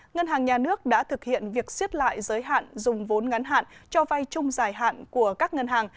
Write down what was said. ngân hàng nhà nước đã thực hiện việc xiếp lại giới hạn dùng vốn ngắn hạn cho vai chung giải hạn của các ngân hàng